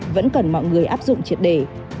giữ phần mọi người áp dụng triệt đề